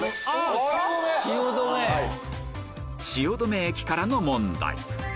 汐留駅からの問題